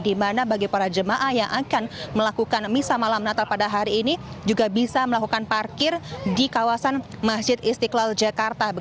di mana bagi para jemaah yang akan melakukan misa malam natal pada hari ini juga bisa melakukan parkir di kawasan masjid istiqlal jakarta